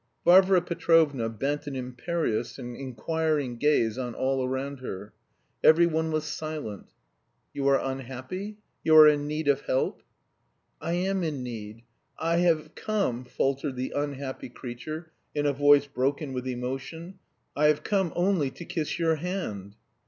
Varvara Petrovna bent an imperious and inquiring gaze on all around her. Every one was silent. "You are unhappy? You are in need of help?" "I am in need.... I have come..." faltered the "unhappy" creature, in a voice broken with emotion. "I have come only to kiss your hand...."